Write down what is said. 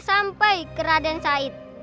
sampai ke raden said